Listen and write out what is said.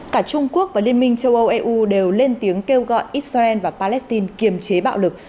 cả trung quốc và liên minh châu âu eu đều lên tiếng kêu gọi israel và palestine kiềm chế bạo lực